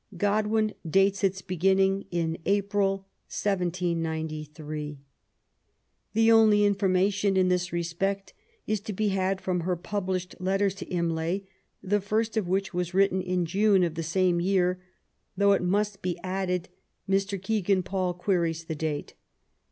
Oodwin dates its beginning in Aprils 1793. The only information in this respect is to be had from her pub lished letters to Imlay^ the first of which was written in June of the same year^ though^ it must be added, Mr. Kegan Paul queries the date.